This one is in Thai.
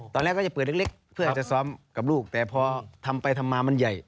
ตอนแรกก็จะเปิดเล็กเพื่อจะซ้อมกับลูกแต่พอทำไปทำมามันใหญ่